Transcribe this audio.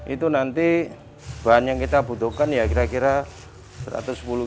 itu nanti bahan yang kita butuhkan kira kira satu ratus sepuluh kg